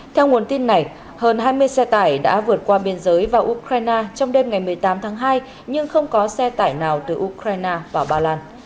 theo nguồn tin này hơn hai mươi xe tải đã vượt qua biên giới vào ukraine trong đêm ngày một mươi tám tháng hai nhưng không có xe tải nào từ ukraine vào ba lan